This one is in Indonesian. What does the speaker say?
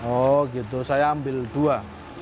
oh gitu saya ambil dua